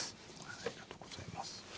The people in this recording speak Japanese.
ありがとうございます。